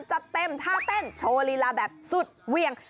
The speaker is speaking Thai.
จัดเต็มท่าเต้นโชว์ลีลาแบบสุดเวียง